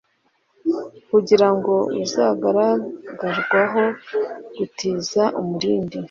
kugira ngo uzagaragarwaho gutiza umurindi